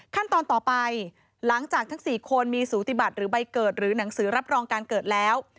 ขั้นตอนต่อไปหลังจากทั้ง๔คนมีสูติบัติหรือใบเกิดหรือหนังสือรับรองการเกิดแล้ว